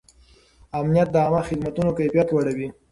امنیت د عامه خدمتونو کیفیت لوړوي.